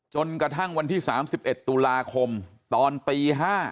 จนกระทั่งวันที่๓๑ตุลาคมตอนตี๕